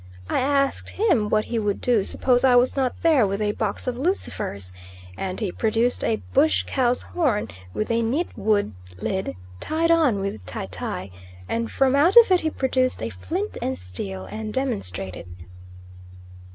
I asked him what he would do suppose I was not there with a box of lucifers; and he produced a bush cow's horn with a neat wood lid tied on with tie tie, and from out of it he produced a flint and steel and demonstrated.